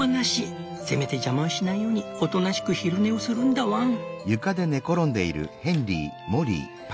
せめて邪魔をしないようにおとなしく昼寝をするんだワン」。